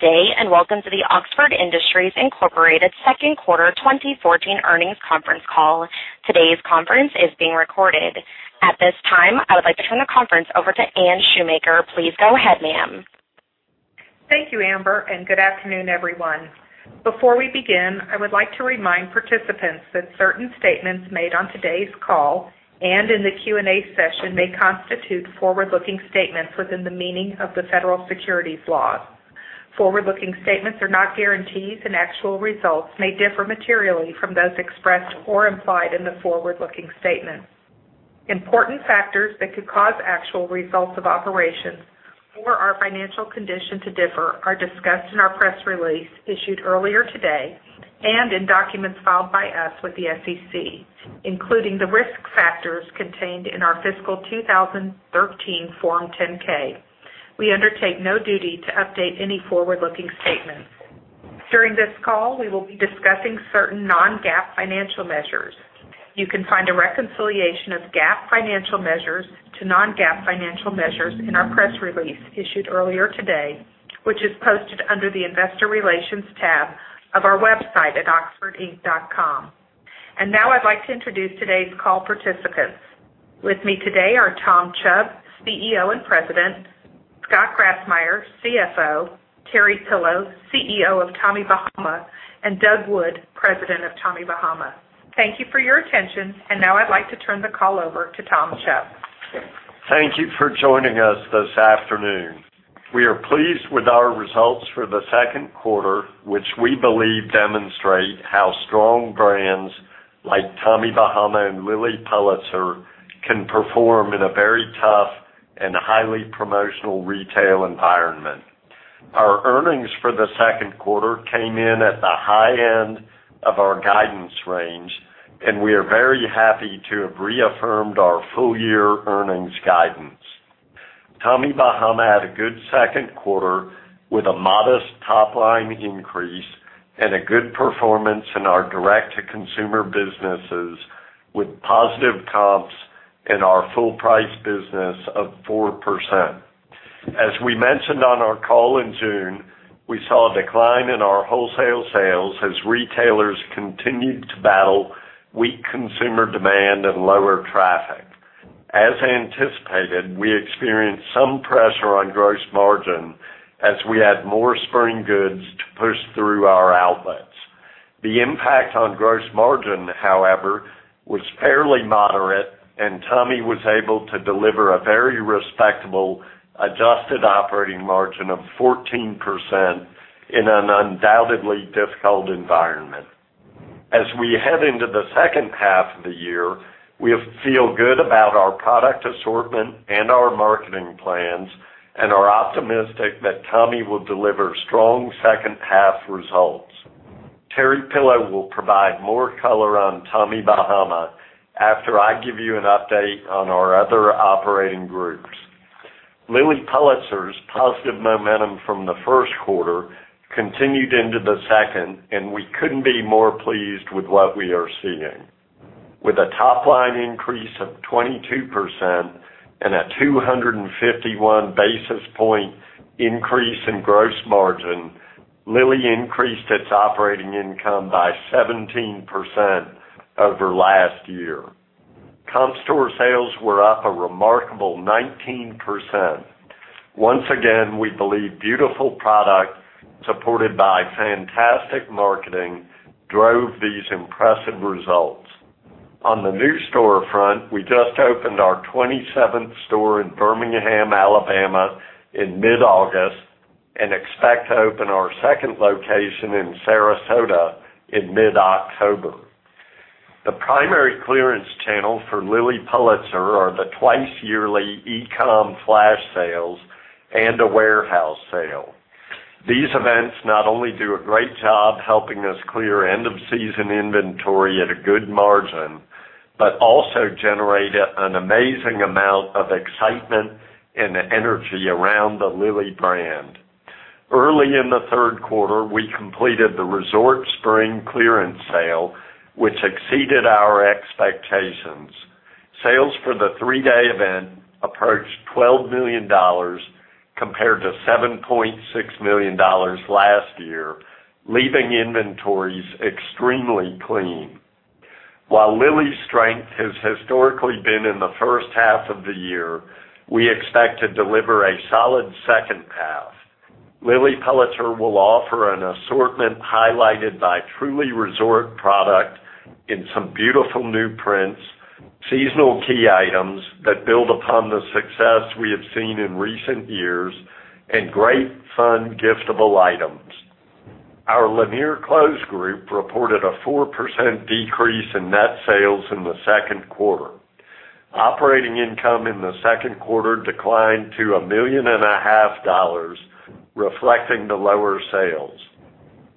Good day, welcome to the Oxford Industries, Inc. second quarter 2014 earnings conference call. Today's conference is being recorded. At this time, I would like to turn the conference over to Anne Shoemaker. Please go ahead, ma'am. Thank you, Amber, good afternoon, everyone. Before we begin, I would like to remind participants that certain statements made on today's call and in the Q&A session may constitute forward-looking statements within the meaning of the federal securities laws. Forward-looking statements are not guarantees, actual results may differ materially from those expressed or implied in the forward-looking statements. Important factors that could cause actual results of operations or our financial condition to differ are discussed in our press release issued earlier today and in documents filed by us with the SEC, including the risk factors contained in our fiscal 2013 Form 10-K. We undertake no duty to update any forward-looking statements. During this call, we will be discussing certain non-GAAP financial measures. You can find a reconciliation of GAAP financial measures to non-GAAP financial measures in our press release issued earlier today, which is posted under the Investor Relations tab of our website at oxfordinc.com. Now I'd like to introduce today's call participants. With me today are Tom Chubb, CEO and President, Scott Grassmyer, CFO, Terry Pillow, CEO of Tommy Bahama, and Doug Wood, President of Tommy Bahama. Thank you for your attention, now I'd like to turn the call over to Tom Chubb. Thank you for joining us this afternoon. We are pleased with our results for the second quarter, which we believe demonstrate how strong brands like Tommy Bahama and Lilly Pulitzer can perform in a very tough and highly promotional retail environment. Our earnings for the second quarter came in at the high end of our guidance range, we are very happy to have reaffirmed our full-year earnings guidance. Tommy Bahama had a good second quarter with a modest top-line increase and a good performance in our direct-to-consumer businesses, with positive comps in our full price business of 4%. As we mentioned on our call in June, we saw a decline in our wholesale sales as retailers continued to battle weak consumer demand and lower traffic. As anticipated, we experienced some pressure on gross margin as we had more spring goods to push through our outlets. The impact on gross margin, however, was fairly moderate. Tommy was able to deliver a very respectable adjusted operating margin of 14% in an undoubtedly difficult environment. As we head into the second half of the year, we feel good about our product assortment and our marketing plans and are optimistic that Tommy will deliver strong second half results. Terry Pillow will provide more color on Tommy Bahama after I give you an update on our other operating groups. Lilly Pulitzer's positive momentum from the first quarter continued into the second. We couldn't be more pleased with what we are seeing. With a top-line increase of 22% and a 251 basis point increase in gross margin, Lilly increased its operating income by 17% over last year. Comp store sales were up a remarkable 19%. Once again, we believe beautiful product supported by fantastic marketing drove these impressive results. On the new store front, we just opened our 27th store in Birmingham, Alabama, in mid-August and expect to open our second location in Sarasota in mid-October. The primary clearance channel for Lilly Pulitzer are the twice yearly e-com flash sales and a warehouse sale. These events not only do a great job helping us clear end-of-season inventory at a good margin but also generate an amazing amount of excitement and energy around the Lilly brand. Early in the third quarter, we completed the resort spring clearance sale, which exceeded our expectations. Sales for the three-day event approached $12 million, compared to $7.6 million last year, leaving inventories extremely clean. While Lilly's strength has historically been in the first half of the year, we expect to deliver a solid second half. Lilly Pulitzer will offer an assortment highlighted by truly resort product in some beautiful new prints, seasonal key items that build upon the success we have seen in recent years, and great fun giftable items. Our Lanier Clothes group reported a 4% decrease in net sales in the second quarter. Operating income in the second quarter declined to a million and a half dollars, reflecting the lower sales.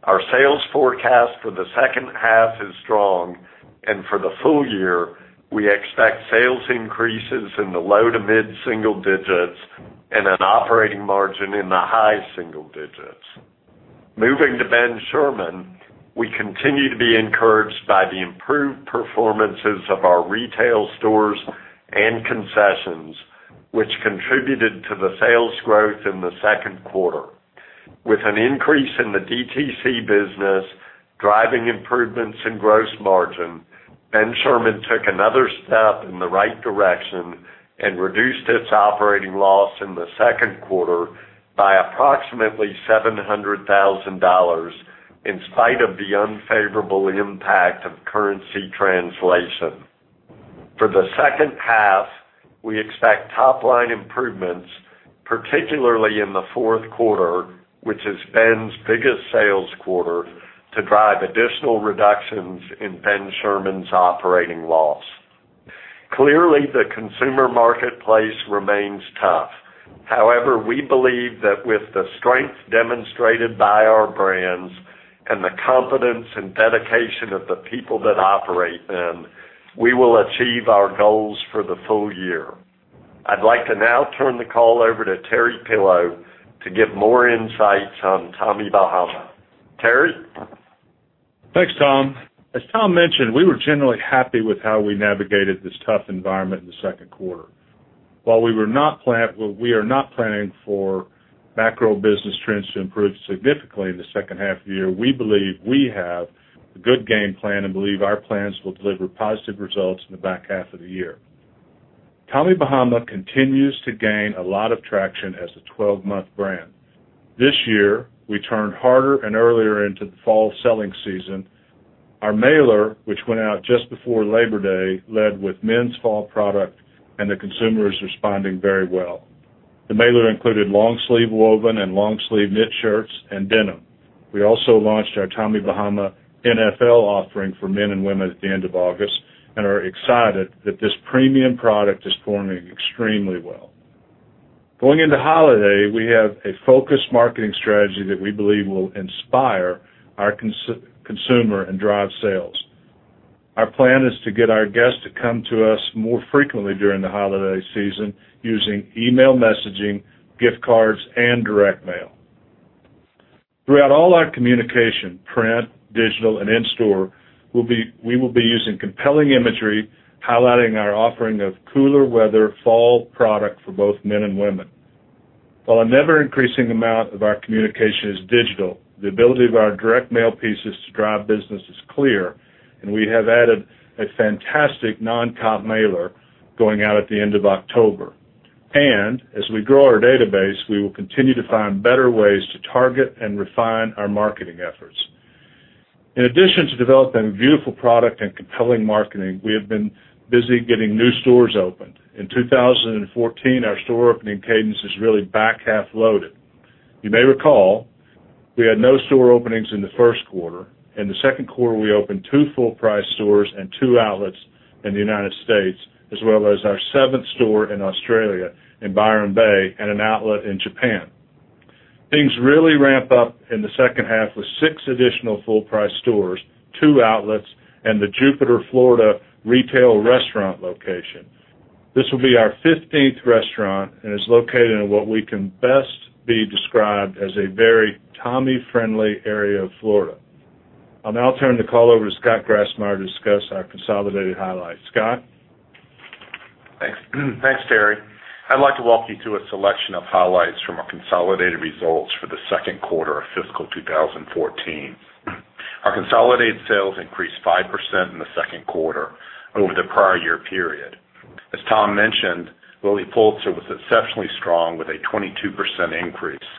Our sales forecast for the second half is strong, and for the full year, we expect sales increases in the low to mid-single digits and an operating margin in the high single digits. Moving to Ben Sherman, we continue to be encouraged by the improved performances of our retail stores and concessions which contributed to the sales growth in the second quarter. With an increase in the DTC business, driving improvements in gross margin, Ben Sherman took another step in the right direction and reduced its operating loss in the second quarter by approximately $700,000, in spite of the unfavorable impact of currency translation. For the second half, we expect top-line improvements, particularly in the fourth quarter, which is Ben's biggest sales quarter, to drive additional reductions in Ben Sherman's operating loss. Clearly, the consumer marketplace remains tough. However, we believe that with the strength demonstrated by our brands and the confidence and dedication of the people that operate them, we will achieve our goals for the full year. I'd like to now turn the call over to Terry Pillow to give more insights on Tommy Bahama. Terry? Thanks, Tom. As Tom mentioned, we were generally happy with how we navigated this tough environment in the second quarter. While we are not planning for macro business trends to improve significantly in the second half of the year, we believe we have a good game plan and believe our plans will deliver positive results in the back half of the year. Tommy Bahama continues to gain a lot of traction as a 12-month brand. This year, we turned harder and earlier into the fall selling season. Our mailer, which went out just before Labor Day, led with men's fall product, and the consumer is responding very well. The mailer included long-sleeve woven and long-sleeve knit shirts and denim. We also launched our Tommy Bahama NFL offering for men and women at the end of August and are excited that this premium product is performing extremely well. Going into holiday, we have a focused marketing strategy that we believe will inspire our consumer and drive sales. Our plan is to get our guests to come to us more frequently during the holiday season using email messaging, gift cards, and direct mail. Throughout all our communication, print, digital, and in store, we will be using compelling imagery, highlighting our offering of cooler weather fall product for both men and women. While an ever-increasing amount of our communication is digital, the ability of our direct mail pieces to drive business is clear, and we have added a fantastic non-comp mailer going out at the end of October. As we grow our database, we will continue to find better ways to target and refine our marketing efforts. In addition to developing beautiful product and compelling marketing, we have been busy getting new stores opened. In 2014, our store opening cadence is really back-half loaded. You may recall, we had no store openings in the first quarter. In the second quarter, we opened two full-price stores and two outlets in the U.S., as well as our seventh store in Australia in Byron Bay and an outlet in Japan. Things really ramp up in the second half with six additional full-price stores, two outlets, and the Jupiter, Florida, retail restaurant location. This will be our 15th restaurant and is located in what we can best be described as a very Tommy-friendly area of Florida. I'll now turn the call over to Scott Grassmyer to discuss our consolidated highlights. Scott? Thanks. Thanks, Terry. I'd like to walk you through a selection of highlights from our consolidated results for the second quarter of fiscal 2015. Our consolidated sales increased 5% in the second quarter over the prior year period. As Tom mentioned, Lilly Pulitzer was exceptionally strong with a 22% increase.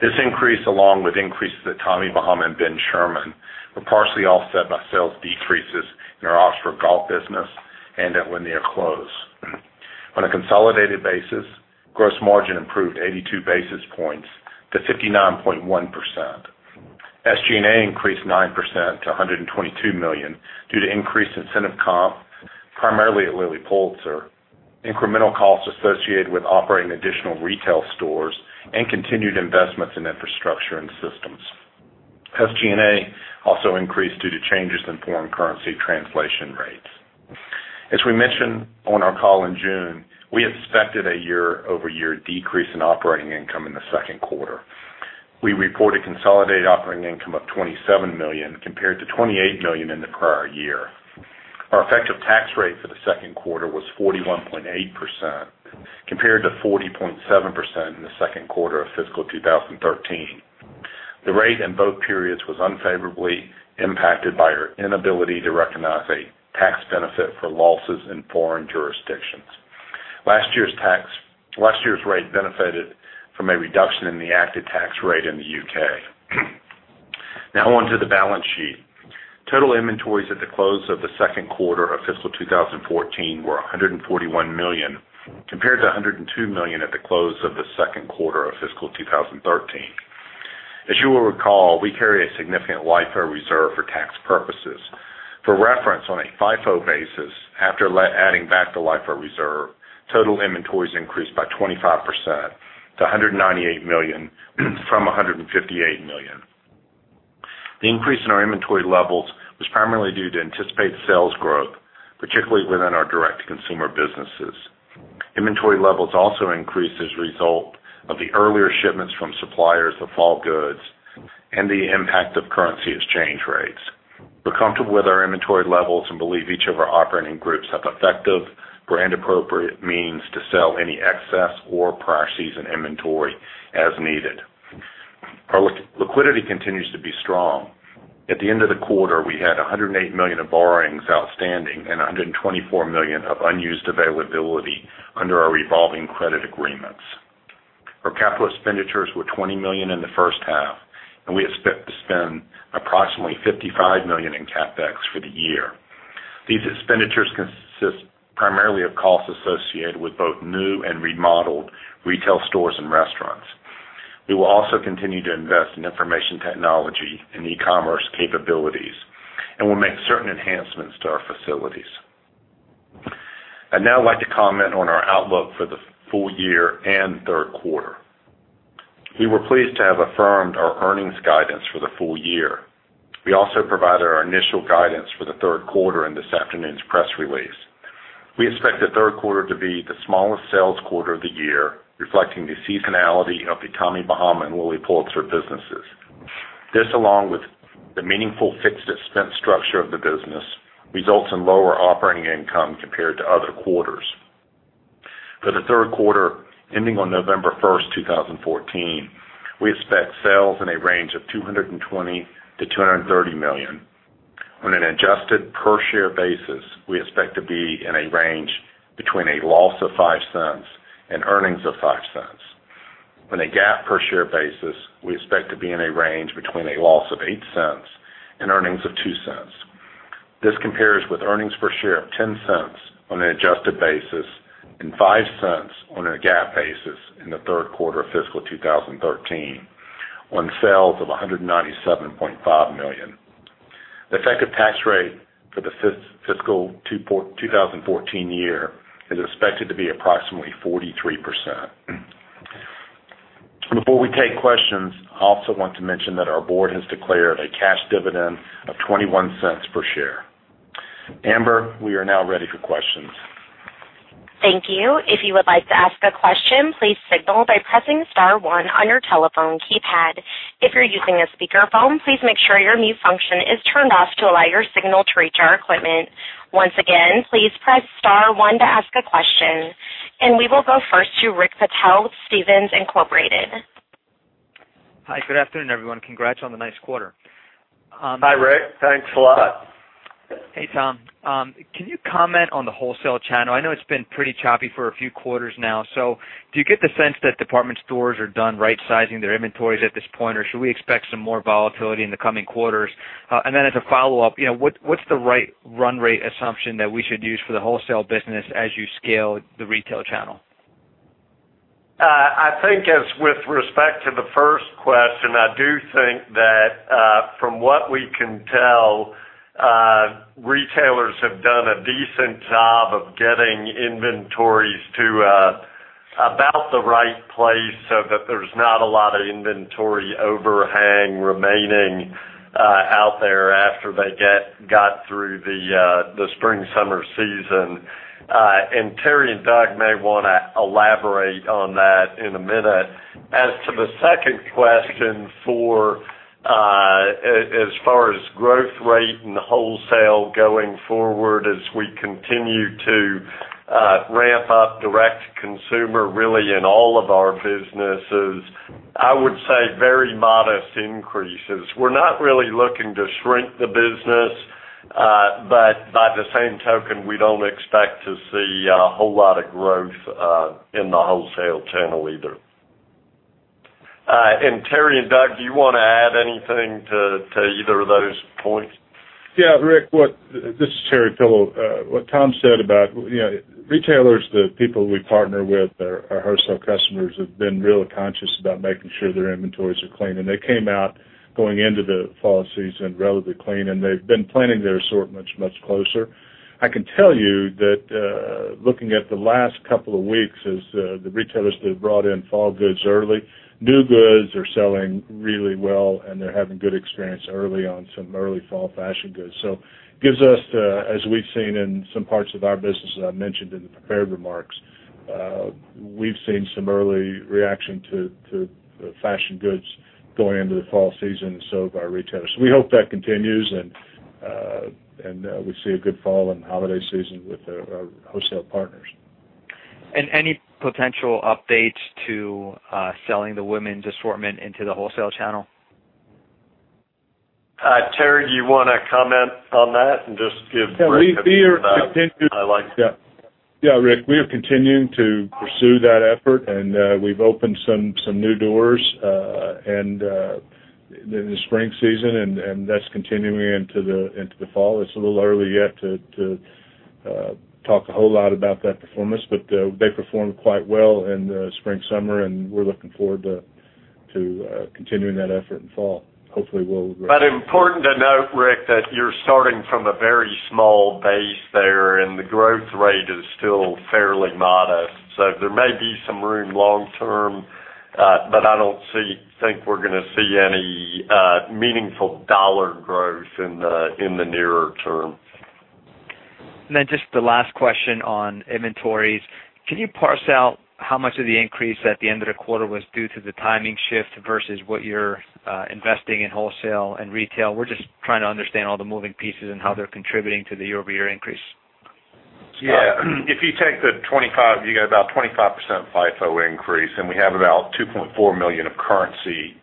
This increase, along with increases at Tommy Bahama and Ben Sherman, were partially offset by sales decreases in our Oxford Golf business and at Lanier Clothes. On a consolidated basis, gross margin improved 82 basis points to 59.1%. SG&A increased 9% to $122 million due to increased incentive comp, primarily at Lilly Pulitzer, incremental costs associated with operating additional retail stores, and continued investments in infrastructure and systems. SG&A also increased due to changes in foreign currency translation rates. As we mentioned on our call in June, we expected a year-over-year decrease in operating income in the second quarter. We reported consolidated operating income of $27 million, compared to $28 million in the prior year. Our effective tax rate for the second quarter was 41.8%, compared to 40.7% in the second quarter of fiscal 2014. The rate in both periods was unfavorably impacted by our inability to recognize a tax benefit for losses in foreign jurisdictions. Last year's rate benefited from a reduction in the active tax rate in the U.K. Now on to the balance sheet. Total inventories at the close of the second quarter of fiscal 2015 were $141 million, compared to $102 million at the close of the second quarter of fiscal 2014. As you will recall, we carry a significant LIFO reserve for tax purposes. For reference, on a FIFO basis, after adding back the LIFO reserve, total inventories increased by 25% to $198 million from $158 million. The increase in our inventory levels was primarily due to anticipated sales growth, particularly within our direct-to-consumer businesses. Inventory levels also increased as a result of the earlier shipments from suppliers of fall goods and the impact of currency exchange rates. We're comfortable with our inventory levels and believe each of our operating groups have effective brand appropriate means to sell any excess or per season inventory as needed. Our liquidity continues to be strong. At the end of the quarter, we had $108 million of borrowings outstanding and $124 million of unused availability under our revolving credit agreements. Our capital expenditures were $20 million in the first half, and we expect to spend approximately $55 million in CapEx for the year. These expenditures consist primarily of costs associated with both new and remodeled retail stores and restaurants. We will also continue to invest in information technology and e-commerce capabilities, and we'll make certain enhancements to our facilities. I'd now like to comment on our outlook for the full year and third quarter. We were pleased to have affirmed our earnings guidance for the full year. We also provided our initial guidance for the third quarter in this afternoon's press release. We expect the third quarter to be the smallest sales quarter of the year, reflecting the seasonality of the Tommy Bahama and Lilly Pulitzer businesses. This, along with the meaningful fixed expense structure of the business, results in lower operating income compared to other quarters. For the third quarter, ending on November 1, 2014, we expect sales in a range of $220 million-$230 million. On an adjusted per share basis, we expect to be in a range between a loss of $0.05 and earnings of $0.05. On a GAAP per share basis, we expect to be in a range between a loss of $0.08 and earnings of $0.02. This compares with earnings per share of $0.10 on an adjusted basis and $0.05 on a GAAP basis in the third quarter of fiscal 2014, on sales of $197.5 million. The effective tax rate for the fiscal 2015 year is expected to be approximately 43%. Before we take questions, I also want to mention that our board has declared a cash dividend of $0.21 per share. Amber, we are now ready for questions. Thank you. If you would like to ask a question, please signal by pressing star one on your telephone keypad. If you're using a speakerphone, please make sure your mute function is turned off to allow your signal to reach our equipment. Once again, please press star one to ask a question. We will go first to Rick Patel with Stephens Inc.. Hi, good afternoon, everyone. Congrats on the nice quarter. Hi, Rick. Thanks a lot. Hey, Tom. Can you comment on the wholesale channel? I know it's been pretty choppy for a few quarters now. Do you get the sense that department stores are done right-sizing their inventories at this point, or should we expect some more volatility in the coming quarters? As a follow-up, what's the right run rate assumption that we should use for the wholesale business as you scale the retail channel? I think as with respect to the first question, I do think that, from what we can tell, retailers have done a decent job of getting inventories to about the right place so that there's not a lot of inventory overhang remaining out there after they got through the spring-summer season. Terry and Doug may wanna elaborate on that in a minute. As to the second question for as far as growth rate and wholesale going forward, as we continue to ramp up direct consumer, really in all of our businesses, I would say very modest increases. We're not really looking to shrink the business, but by the same token, we don't expect to see a whole lot of growth in the wholesale channel either. Terry and Doug, do you want to add anything to either of those points? Yeah, Rick. This is Terry Pillow. What Tom said about retailers, the people we partner with, our wholesale customers, have been really conscious about making sure their inventories are clean. They came out going into the fall season relatively clean, and they've been planning their assortments much closer. I can tell you that looking at the last couple of weeks as the retailers that have brought in fall goods early, new goods are selling really well, and they're having good experience early on some early fall fashion goods. It gives us, as we've seen in some parts of our business, as I mentioned in the prepared remarks, we've seen some early reaction to the fashion goods going into the fall season and so have our retailers. We hope that continues and we see a good fall and holiday season with our wholesale partners. Any potential updates to selling the women's assortment into the wholesale channel? Terry, do you wanna comment on that and just give Rick. Rick, we are continuing to pursue that effort and we've opened some new doors in the spring season, and that's continuing into the fall. It's a little early yet to talk a whole lot about that performance, but they performed quite well in the spring-summer, and we're looking forward to continuing that effort in fall. Important to note, Rick, that you're starting from a very small base there, and the growth rate is still fairly modest. There may be some room long term, but I don't think we're gonna see any meaningful dollar growth in the near Just the last question on inventories. Can you parse out how much of the increase at the end of the quarter was due to the timing shift versus what you're investing in wholesale and retail? We're just trying to understand all the moving pieces and how they're contributing to the year-over-year increase. If you take the 25, you get about 25% FIFO increase. We have about $2.4 million of currency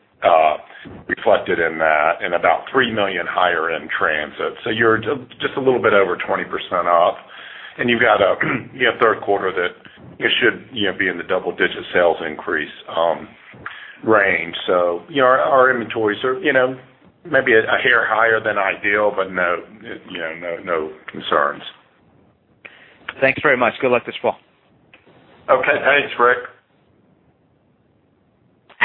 reflected in that and about $3 million higher in transit. You're just a little bit over 20% off, and you've got a third quarter that should be in the double-digit sales increase range. Our inventories are maybe a hair higher than ideal, but no concerns. Thanks very much. Good luck this fall. Okay. Thanks, Rick.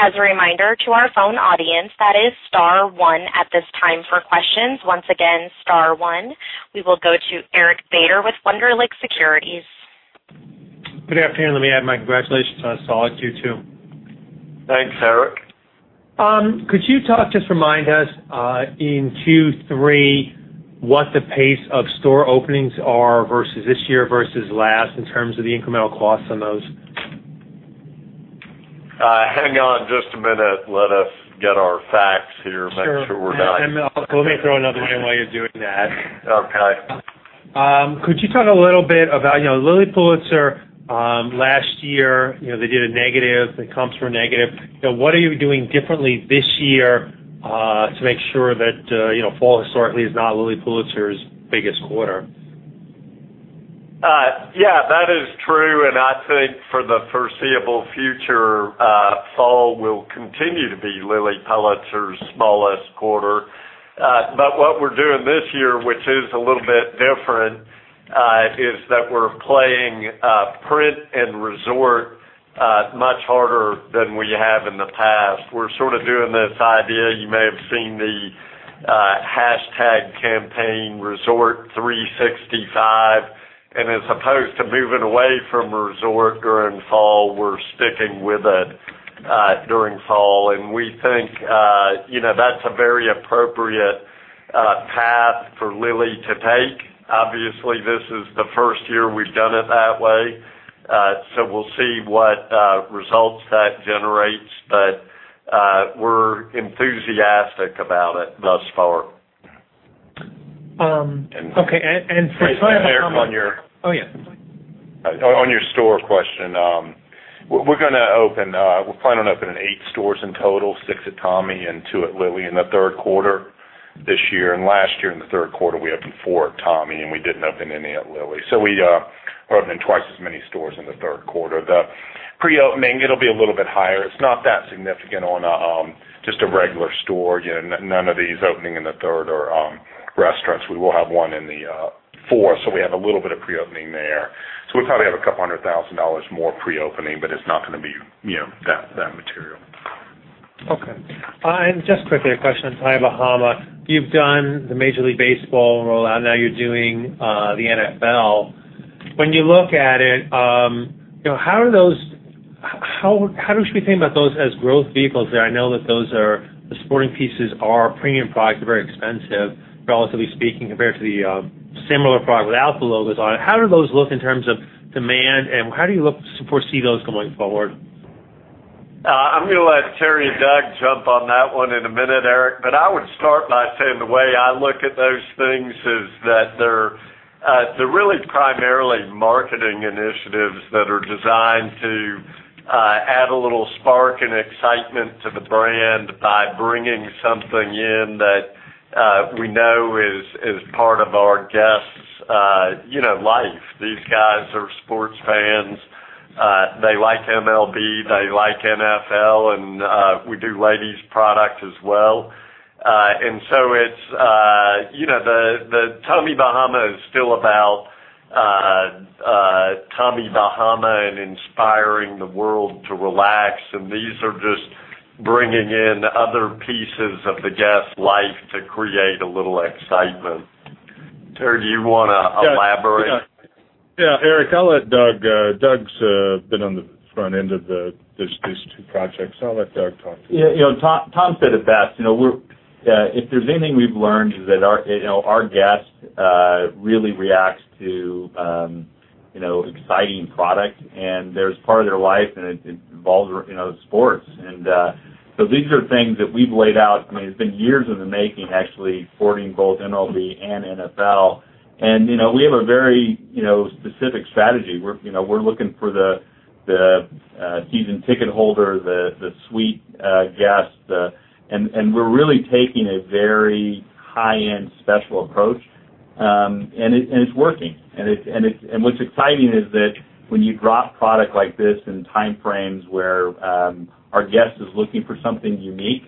As a reminder to our phone audience, that is star one at this time for questions. Once again, star one. We will go to Eric Beder with Wunderlich Securities. Good afternoon. Let me add my congratulations on a solid Q2. Thanks, Eric. Could you talk, just remind us, in Q3, what the pace of store openings are versus this year versus last in terms of the incremental costs on those? Hang on just a minute. Let us get our facts here. Sure. Make sure we're not- Let me throw another one while you're doing that. Okay. Could you talk a little bit about Lilly Pulitzer last year, they did a negative. The comps were negative. What are you doing differently this year to make sure that fall historically is not Lilly Pulitzer's biggest quarter? Yeah, that is true, and I think for the foreseeable future, fall will continue to be Lilly Pulitzer's smallest quarter. What we're doing this year, which is a little bit different, is that we're playing print and resort much harder than we have in the past. We're sort of doing this idea, you may have seen the hashtag campaign, Resort 365. As opposed to moving away from resort during fall, we're sticking with it during fall. We think that's a very appropriate path for Lilly to take. Obviously, this is the first year we've done it that way. We'll see what results that generates. We're enthusiastic about it thus far. Okay. Eric, on your Oh, yeah on your store question. We're planning on opening 8 stores in total, 6 at Tommy and 2 at Lilly in the third quarter this year. Last year in the third quarter, we opened 4 at Tommy, and we didn't open any at Lilly. We are opening twice as many stores in the third quarter. The pre-opening, it'll be a little bit higher. It's not that significant on just a regular store. None of these opening in the third are restaurants. We will have 1 in the fourth, we have a little bit of pre-opening there. We'll probably have a couple hundred thousand dollars more pre-opening, but it's not going to be that material. Okay. Just quickly, a question on Tommy Bahama. You've done the Major League Baseball rollout. Now you're doing the NFL. When you look at it, how should we think about those as growth vehicles there? I know that those are the sporting pieces are premium products. They're very expensive, relatively speaking, compared to the similar product without the logos on it. How do those look in terms of demand, and how do you foresee those going forward? I'm going to let Terry and Doug jump on that one in a minute, Eric. I would start by saying the way I look at those things is that they're really primarily marketing initiatives that are designed to add a little spark and excitement to the brand by bringing something in that we know is part of our guests' life. These guys are sports fans. They like MLB, they like NFL, and we do ladies product as well. Tommy Bahama is still about Tommy Bahama and inspiring the world to relax, and these are just bringing in other pieces of the guest's life to create a little excitement. Terry, do you want to elaborate? Yeah, Eric, I'll let Doug. Doug's been on the front end of these two projects. I'll let Doug talk to you. Yeah. Tom said it best. If there's anything we've learned, it's that our guests really reacts to exciting product, and there's part of their life, and it involves sports. These are things that we've laid out. It's been years in the making, actually, courting both MLB and NFL. We have a very specific strategy. We're looking for the season ticket holder, the suite guest, and we're really taking a very high-end, special approach. It's working. What's exciting is that when you drop product like this in time frames where our guest is looking for something unique,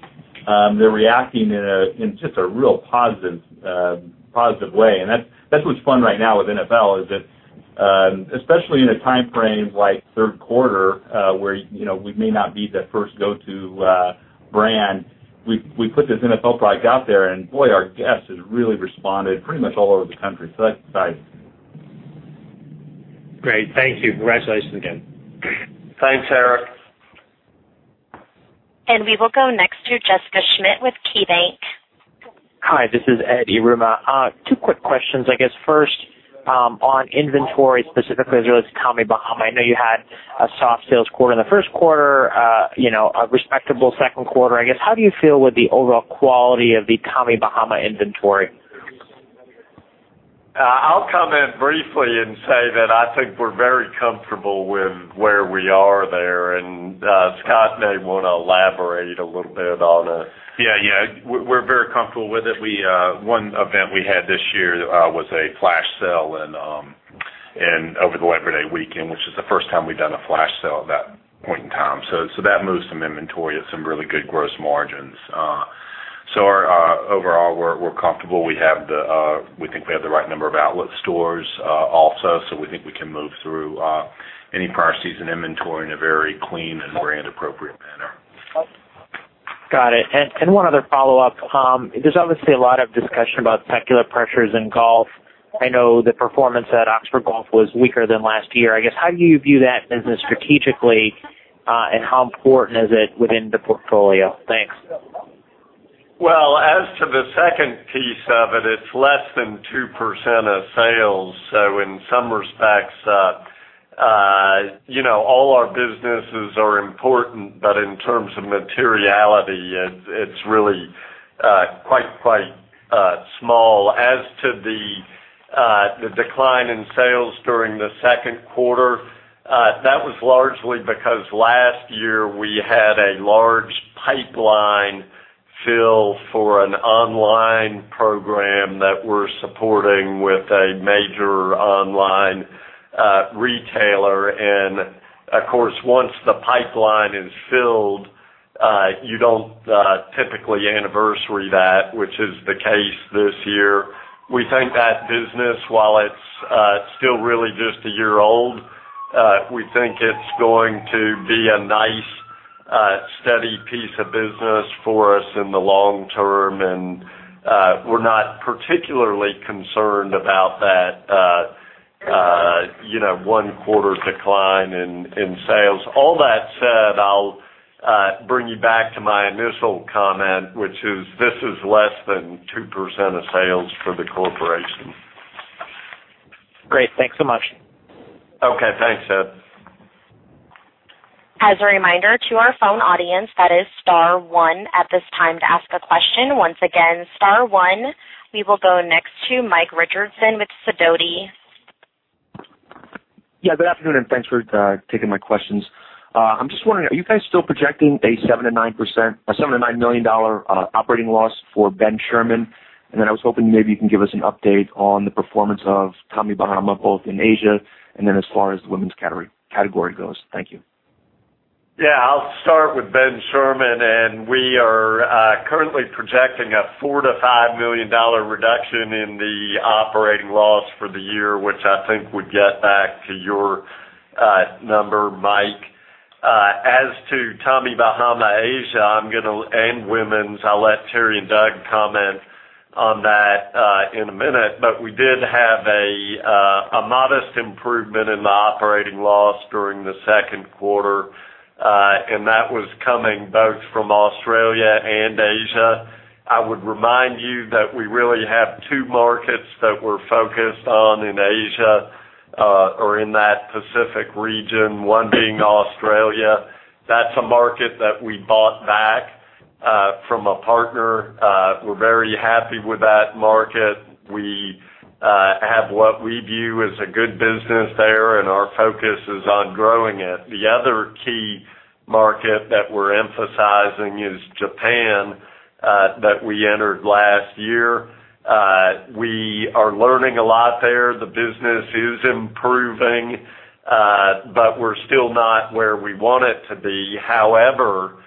they're reacting in just a real positive way. That's what's fun right now with NFL, is that especially in a time frame like third quarter, where we may not be the first go-to brand, we put this NFL product out there, and boy, our guests has really responded pretty much all over the country. That's exciting. Great. Thank you. Congratulations again. Thanks, Eric. We will go next to Jessica Schmidt with KeyBanc. Hi, this is Ed Yruma. Two quick questions. I guess first, on inventory, specifically as it relates to Tommy Bahama. I know you had a soft sales quarter in the first quarter, a respectable second quarter. I guess, how do you feel with the overall quality of the Tommy Bahama inventory? I'll comment briefly and say that I think we're very comfortable with where we are there. Scott may want to elaborate a little bit on it. Yeah. We're very comfortable with it. One event we had this year was a flash sale over the Labor Day weekend, which is the first time we've done a flash sale at that point in time. That moved some inventory at some really good gross margins. Overall, we're comfortable. We think we have the right number of outlet stores also, so we think we can move through any prior season inventory in a very clean and brand-appropriate manner. Got it. One other follow-up. There's obviously a lot of discussion about secular pressures in golf. I know the performance at Oxford Golf was weaker than last year. I guess, how do you view that business strategically? How important is it within the portfolio? Thanks. Well, as to the second piece of it's less than 2% of sales. In some respects, all our businesses are important, but in terms of materiality, it's really quite small. As to the decline in sales during the second quarter, that was largely because last year we had a large pipeline fill for an online program that we're supporting with a major online retailer. Of course, once the pipeline is filled, you don't typically anniversary that, which is the case this year. We think that business, while it's still really just a year old, we think it's going to be a nice, steady piece of business for us in the long term. We're not particularly concerned about that one quarter decline in sales. All that said, I'll bring you back to my initial comment, which is, this is less than 2% of sales for the corporation. Great. Thanks so much. Okay. Thanks, Ed. As a reminder to our phone audience, that is star one at this time to ask a question. Once again, star one. We will go next to Mike Richardson with Sidoti. Yeah, good afternoon. Thanks for taking my questions. I'm just wondering, are you guys still projecting a $7 million-$9 million operating loss for Ben Sherman? I was hoping maybe you can give us an update on the performance of Tommy Bahama, both in Asia and then as far as the women's category goes. Thank you. We are currently projecting a $4 million-$5 million reduction in the operating loss for the year, which I think would get back to your number, Mike. As to Tommy Bahama Asia, and women's, I'll let Terry and Doug comment on that in a minute. We did have a modest improvement in the operating loss during the second quarter. That was coming both from Australia and Asia. I would remind you that we really have two markets that we're focused on in Asia, or in that Pacific region, one being Australia. That's a market that we bought back from a partner. We're very happy with that market. We have what we view as a good business there, and our focus is on growing it. The other key market that we're emphasizing is Japan, that we entered last year. We are learning a lot there. The business is improving, we're still not where we want it to be. However,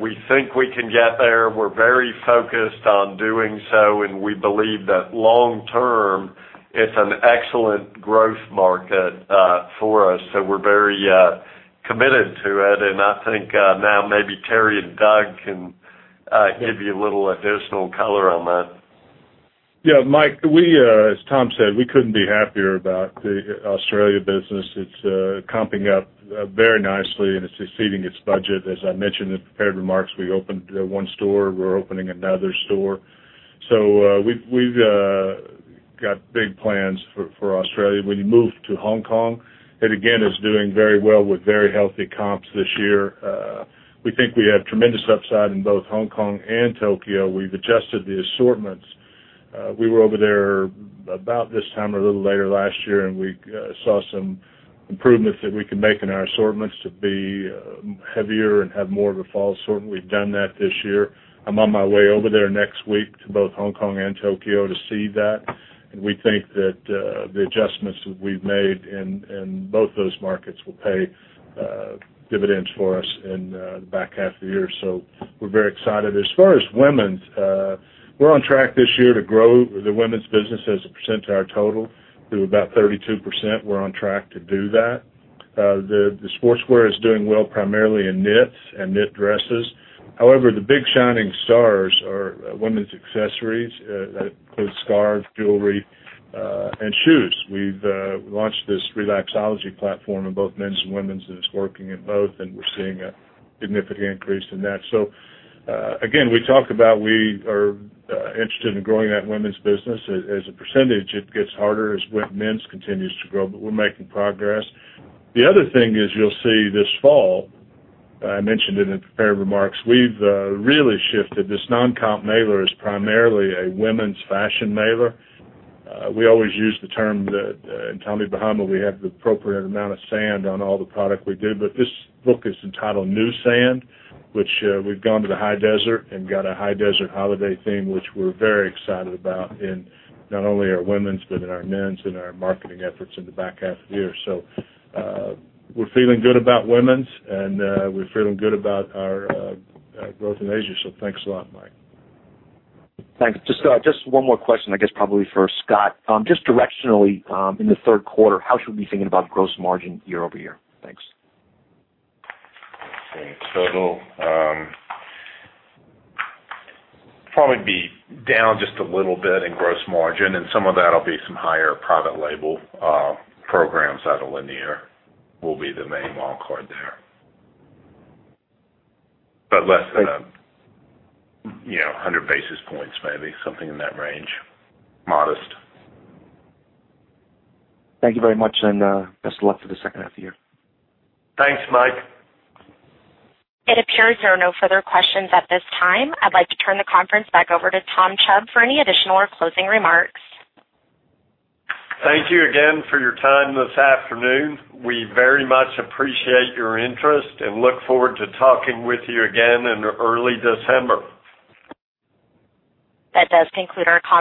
we think we can get there. We're very focused on doing so, we believe that long term, it's an excellent growth market for us. We're very committed to it, I think now maybe Terry and Doug can give you a little additional color on that. Yeah, Mike, as Tom said, we couldn't be happier about the Australia business. It's comping up very nicely, it's exceeding its budget. As I mentioned in the prepared remarks, we opened one store. We're opening another store. We've got big plans for Australia. When you move to Hong Kong, it again is doing very well with very healthy comps this year. We think we have tremendous upside in both Hong Kong and Tokyo. We've adjusted the assortments. We were over there about this time or a little later last year, we saw some improvements that we could make in our assortments to be heavier and have more of a fall assortment. We've done that this year. I'm on my way over there next week to both Hong Kong and Tokyo to see that. We think that the adjustments that we've made in both those markets will pay dividends for us in the back half of the year. We're very excited. As far as women's, we're on track this year to grow the women's business as a % of our total to about 32%. We're on track to do that. The sportswear is doing well primarily in knits and knit dresses. However, the big shining stars are women's accessories. That includes scarves, jewelry, and shoes. We've launched this Relaxology platform in both men's and women's that is working in both, we're seeing a significant increase in that. Again, we talk about we are interested in growing that women's business. As a %, it gets harder as men's continues to grow, we're making progress. The other thing is you'll see this fall, I mentioned it in prepared remarks, we've really shifted this non-comp mailer is primarily a women's fashion mailer. We always use the term at Tommy Bahama, we have the appropriate amount of sand on all the product we do, but this book is entitled "New Sand," which we've gone to the high desert and got a high desert holiday theme, which we're very excited about in not only our women's but in our men's and our marketing efforts in the back half of the year. We're feeling good about women's and we're feeling good about our growth in Asia. Thanks a lot, Mike. Thanks. Just one more question, I guess probably for Scott. Just directionally, in the third quarter, how should we be thinking about gross margin year-over-year? Thanks. Let's see. Total probably be down just a little bit in gross margin, and some of that'll be some higher private label programs out of Lanier will be the main wild card there. Less than 100 basis points, maybe something in that range. Modest. Thank you very much. Best of luck for the second half of the year. Thanks, Mike. It appears there are no further questions at this time. I'd like to turn the conference back over to Tom Chubb for any additional or closing remarks. Thank you again for your time this afternoon. We very much appreciate your interest and look forward to talking with you again in early December. That does conclude our conference.